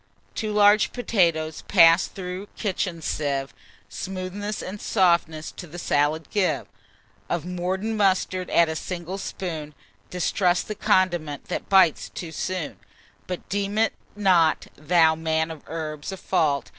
"Two large potatoes, pass'd through kitchen sieve, Smoothness and softness to the salad give: Of mordent mustard add a single spoon, Distrust the condiment that bites too soon; But deem it not, thou man of herbs, a fault.